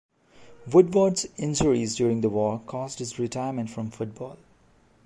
Woodward's injuries during the war caused his retirement from football.